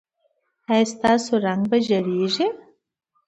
ایا ستاسو رنګ به زیړیږي؟